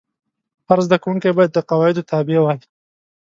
هر زده کوونکی باید د قواعدو تابع وای.